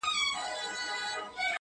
مستغني هم له پاچا هم له وزیر یم،